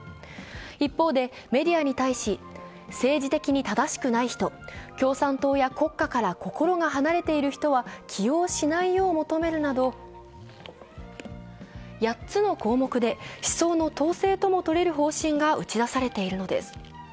一方で、メディアに対し、政治的に正しくない人、共産党や国家から心が離れている人は起用しないよう求めるなど８つの項目で思想の統制ともとれる方針が打ち出されているのです。